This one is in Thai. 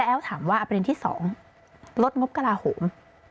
แอ้วถามว่าประเด็นที่๒ลดงบกระลาโหม